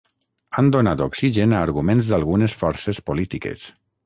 Han donat oxigen a arguments d’algunes forces polítiques.